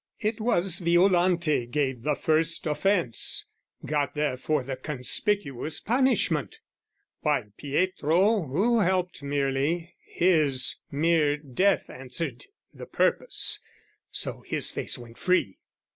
It was Violante gave the first offence, Got therefore the conspicuous punishment: While Pietro, who helped merely, his, mere death Answered the purpose, so his face went free.